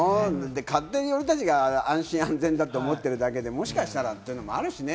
勝手に俺たちが安心安全だと思ってるだけで、もしかしたらというのもあるしね。